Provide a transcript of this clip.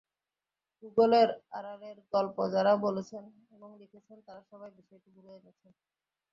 গুগলের আড়ালের গল্প যাঁরা বলেছেন এবং লিখেছেন, তাঁরা সবাই বিষয়টিকে তুলে এনেছেন।